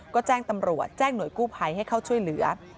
ก็แจ้งตำรวจแจ้งหน่วยกู้ภัยให้เข้าช่วยเหลือ